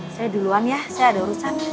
saya duluan ya saya ada urusan